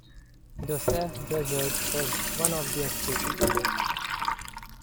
Joseph Broussard was one of the escapees.